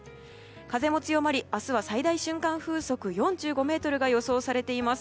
風も強まり明日は最大瞬間風速４５メートルが予想されています。